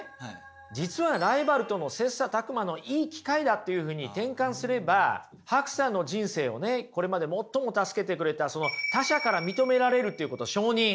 実はライバルとの切磋琢磨のいい機会だというふうに転換すればＨＡＫＵさんの人生をこれまで最も助けてくれた他者から認められるっていうこと承認